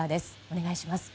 お願いします。